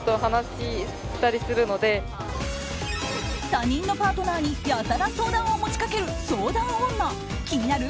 他人のパートナーにやたら相談を持ちかける相談女気になる？